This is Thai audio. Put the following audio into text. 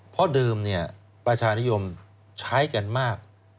เพราะเดิมประชานิยมใช้กันมาก